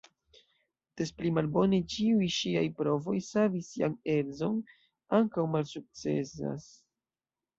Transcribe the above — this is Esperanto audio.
Des pli malbone, ĉiuj ŝiaj provoj savi sian edzon ankaŭ malsukcesas.